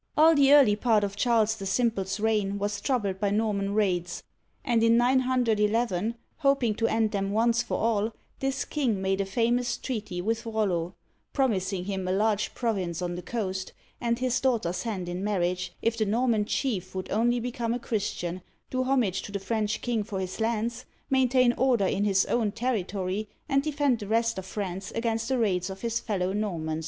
All the early part of Charles the Simple's reign was troubled by Norman raids, and in 911, hoping to end them once for all, this king made a famous treaty with RoUo, promising him a large province on the coast, and his daughter's hand in marriage, if the Norman chief would only become a Christian, do homage to the French king for his lands, maintain order in his own territory, and defend the rest of France against the raids of his fellow Normans.